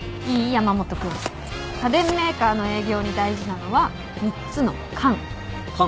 山本君家電メーカーの営業に大事なのは３つの「感」「感」？